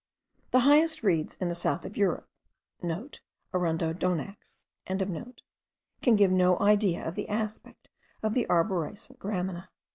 The highest reeds* in the south of Europe (* Arundo donax.), can give no idea of the aspect of the arborescent gramina.